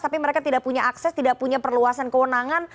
tapi mereka tidak punya akses tidak punya perluasan kewenangan